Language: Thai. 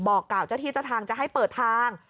บอกกล่าวเจ้าที่ชะทางจะให้เปิดทาง